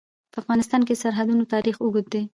په افغانستان کې د سرحدونه تاریخ اوږد دی.